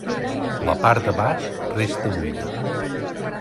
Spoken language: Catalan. La part de baix resta buida.